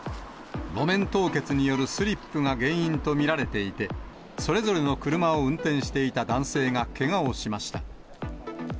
路面凍結によるスリップが原因と見られていて、それぞれの車を運転していた男性がけがをしました。